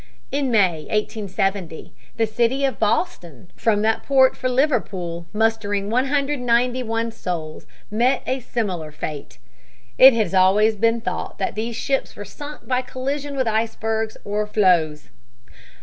In May, 1870, the City of Boston, from that port for Liverpool, mustering 191 souls, met a similar fate. It has always been thought that these ships were sunk by collision with icebergs or floes.